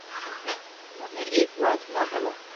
مني ايڪ وات ھڻاو ڀلا